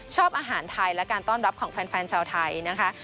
ชอบอาหารไทยและการต้อนรับของแฟนชาวไทยนะคะ